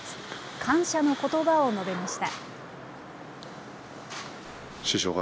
感謝のことばを述べました。